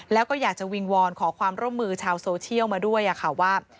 แล้วก็อยากจะวิงวอนขอความร่วมมือชาวโซเชียลมาด้วยค่ะว่า